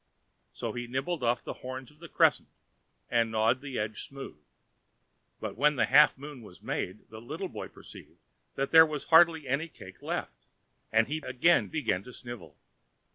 So he nibbled off the horns of the crescent, and gnawed the edge smooth; but when the half moon was made, the little boy perceived that there was hardly any cake left, and he again began to snivel.